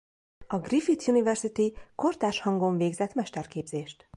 A Griffith University kortárs hangon végzett mesterképzést.